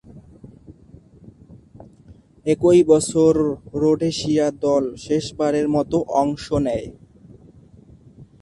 একই বছর রোডেশিয়া দল শেষবারের মতো অংশ নেয়।